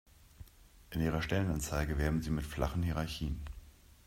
In Ihrer Stellenanzeige werben Sie mit flachen Hierarchien.